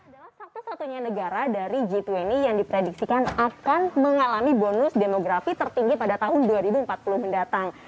adalah satu satunya negara dari g dua puluh yang diprediksikan akan mengalami bonus demografi tertinggi pada tahun dua ribu empat puluh mendatang